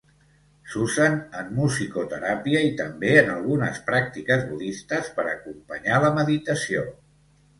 S'usen en musicoteràpia i també en algunes pràctiques budistes per acompanyar la meditació.